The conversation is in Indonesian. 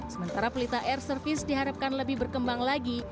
sementara pelita air service diharapkan lebih berkembang lagi